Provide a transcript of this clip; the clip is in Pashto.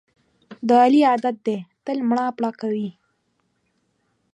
د علي عادت دی تل مړه پړه کوي.